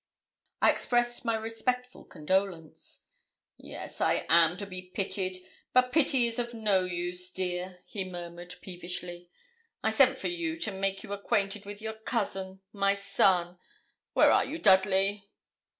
I expressed my respectful condolence. 'Yes; I am to be pitied; but pity is of no use, dear,' he murmured, peevishly. 'I sent for you to make you acquainted with your cousin, my son. Where are you Dudley?'